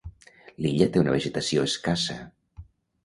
L'illa té una vegetació escassa.